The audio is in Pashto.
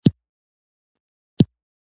د يوه فرصت په بايللو دوهم فرصت موندلی شي.